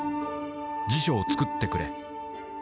「辞書を作ってくれ」。